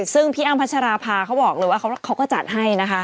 ซึ่งพี่อ้ำพัชราภาเขาบอกเลยว่าเขาก็จัดให้นะคะ